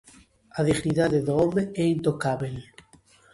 A dignidade do home é intocábel.